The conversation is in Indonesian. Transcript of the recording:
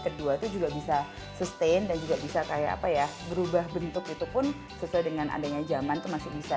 kedua tuh juga bisa sustain dan juga bisa kayak apa ya berubah bentuk itu pun sesuai dengan adanya zaman itu masih bisa